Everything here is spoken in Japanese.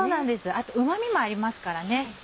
あとうま味もありますからね。